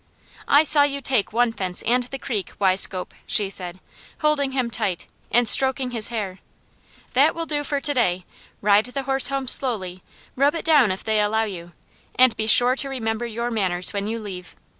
"I saw you take one fence and the creek, Weiscope!" she said, holding him tight, and stroking his hair. "That will do for to day. Ride the horse home slowly, rub it down if they will allow you, and be sure to remember your manners when you leave.